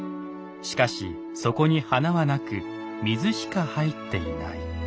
しかしそこに花はなく水しか入っていない。